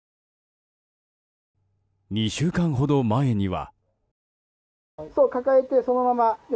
２週間ほど前には。